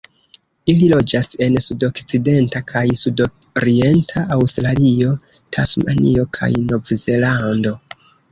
Ili loĝas en sudokcidenta kaj sudorienta Aŭstralio, Tasmanio, kaj Novzelando.